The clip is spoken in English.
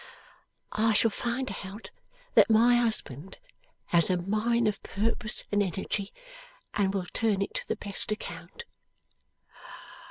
'I shall find out that my husband has a mine of purpose and energy, and will turn it to the best account?